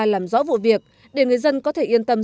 làm rõ vụ việc để người dân có thể yên tâm